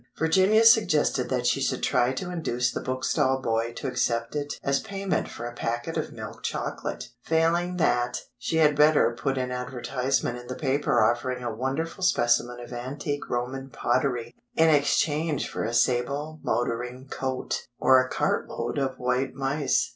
Virginia suggested that she should try to induce the bookstall boy to accept it as payment for a packet of milk chocolate; failing that, she had better put an advertisement in the paper offering a wonderful specimen of antique Roman pottery in exchange for a sable motoring coat, or a cartload of white mice.